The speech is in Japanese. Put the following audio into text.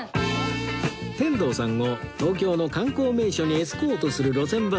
天童さんを東京の観光名所にエスコートする路線バスの旅